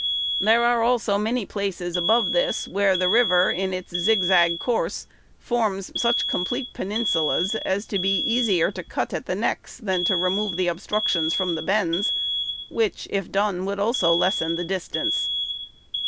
There are also many places above this where the river, in its zigzag course, forms such complete peninsulas, as to be easier to cut at the necks than to remove the obstructions from the bends, which, if done, would also lessen the distance.